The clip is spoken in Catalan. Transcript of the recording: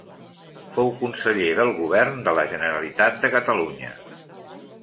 Fou conseller del govern de la Generalitat de Catalunya.